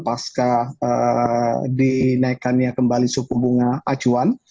pasca dinaikannya kembali suku bunga acuan